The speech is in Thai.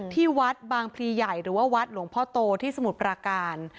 ที่วัดบางพลีใหญ่หรือว่าวัดหลวงพ่อโตที่สมุทรปราการ